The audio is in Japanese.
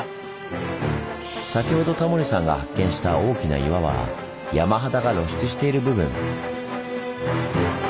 先ほどタモリさんが発見した大きな岩は山肌が露出している部分。